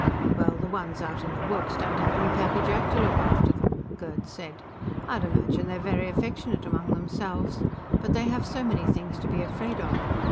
"Well, the ones out in the woods don't have any Pappy Jack to look after them" Gerd said. "I'd imagine they're very affectionate among themselves, but they have so many things to be afraid of.